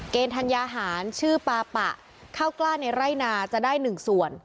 ธัญญาหารชื่อปาปะข้าวกล้าในไร่นาจะได้หนึ่งส่วน